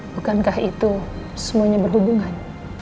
bukankah itu semuanya berhubungan